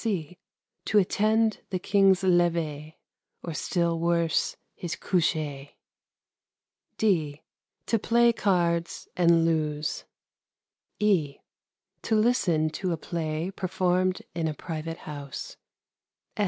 (c) To attend the King's lever, or still worse, his coucher. (d) To play cards and lose. (e) To listen to a play performed in a private house.